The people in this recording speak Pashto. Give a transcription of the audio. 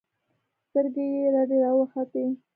سترګې يې رډې راوختې.